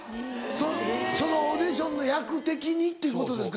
そのオーディションの役的にっていうことですか？